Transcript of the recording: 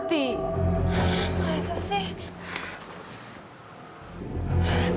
tidak ada apa apa